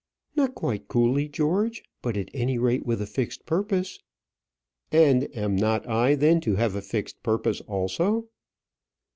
"Not quite coolly, George; but, at any rate, with a fixed purpose." "And am not I then to have a fixed purpose also?"